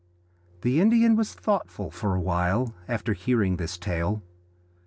The Indian was thoughtful for a while after hearing this tale.